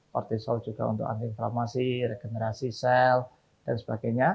kortisol juga untuk anti inflammasi regenerasi sel dan sebagainya